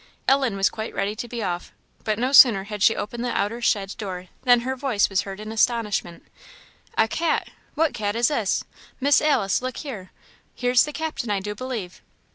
Ellen was quite ready to be off. But no sooner had she opened the outer shed door than her voice was heard in astonishment. "A cat! What cat is this? Miss Alice! look here! here's the Captain I do believe."